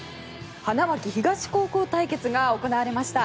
花巻東高校対決が行われました。